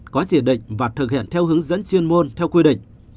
có chỉ định và thực hiện theo hướng dẫn chuyên môn theo quy định